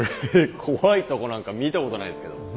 え怖いとこなんか見たことないですけど。